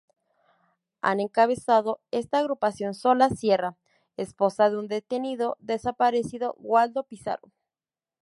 Han encabezado esta Agrupación Sola Sierra, esposa de un detenido desparecido, Waldo Pizarro.